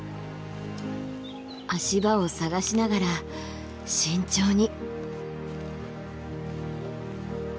足場を探しながら慎重に。